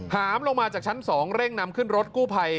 หามลงมาจากชั้น๒เร่งนำขึ้นรถกู้ภัย